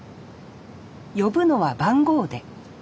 呼ぶのは番号で。